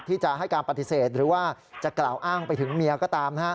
ที่จะให้การปฏิเสธหรือว่าจะกล่าวอ้างไปถึงเมียก็ตามนะฮะ